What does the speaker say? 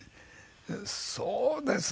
そうですね。